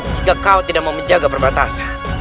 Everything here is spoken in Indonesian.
jika kau tidak mau menjaga perbatasan